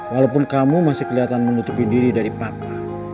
walaupun kamu masih kelihatan mengutupi diri dari papa